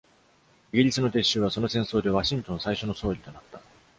イギリスの撤収は、その戦争でワシントン最初の勝利となった。